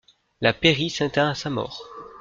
La pairie s'éteint à sa mort.